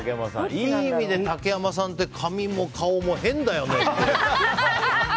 いい意味で竹山さんって髪も顔も変だよねって。